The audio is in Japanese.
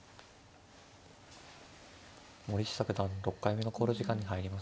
森下九段６回目の考慮時間に入りました。